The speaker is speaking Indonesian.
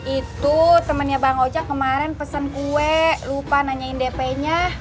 itu temennya bang ojak kemaren pesen kue lupa nanyain dpnya